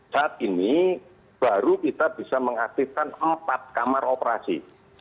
saat ini baru kita bisa mengaktifkan empat kamar operasi